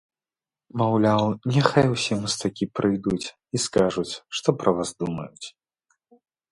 Маўляў, няхай усе мастакі прыйдуць і скажуць, што пра вас думаюць.